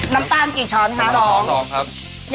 น้ำตาลกี่ช้อนครับ